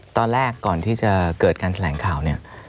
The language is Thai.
ตอนแรกก่อนที่จะเกิดการแถลงข่าวเนี่ย